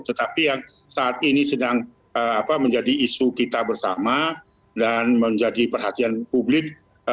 tetapi yang saat ini sedang menjadi isu kita bersama dan menjadi perhatian publik